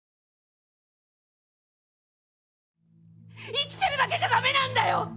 生きてるだけじゃダメなんだよ！